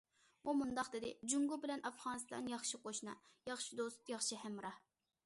ئۇ مۇنداق دېدى: جۇڭگو بىلەن ئافغانىستان ياخشى قوشنا، ياخشى دوست، ياخشى ھەمراھ.